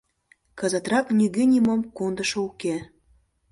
Кызытрак нигӧ нимом кондышо уке.